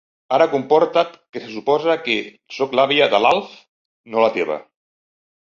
I ara comporta't, que se suposa que soc l'àvia de l'Alf, no la teva.